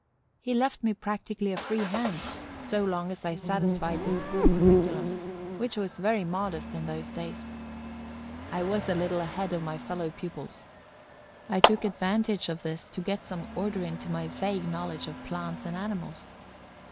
He left me practically a free hand so long as I satisfied the school curriculum, which was very modest in those days. I was a little ahead of my fellow pupils. I took advantage of this to get some order into my vague knowledge of plants and animals.